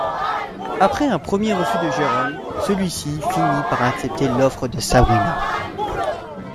Après un premier refus de Jérôme, celui-ci finit par accepter l'offre de Sabrina.